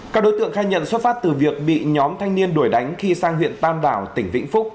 các đối tượng khai nhận xuất phát từ việc bị nhóm thanh niên đuổi đánh khi sang huyện tam đảo tỉnh vĩnh phúc